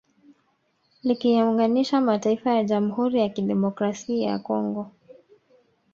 Likiyaunganisha mataifa ya Jamhuri ya Kidemokrasi ya Kongo